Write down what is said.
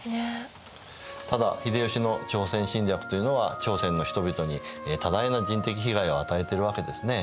ただ秀吉の朝鮮侵略というのは朝鮮の人々に多大な人的被害を与えているわけですね。